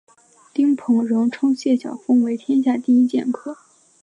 丁鹏仍称谢晓峰为天下第一剑客。